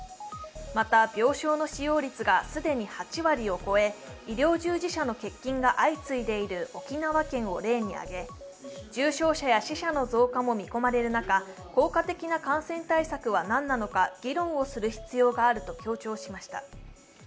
また、病床の使用率が既に８割を超え医療従事者の欠勤が相次いでいる沖縄県を例に挙げ重症者や死者の増加も見込まれる中、効果的な感染対策は何なのか議論をする必要があると強調しました。